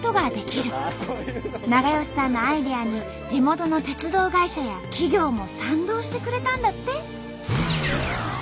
永芳さんのアイデアに地元の鉄道会社や企業も賛同してくれたんだって。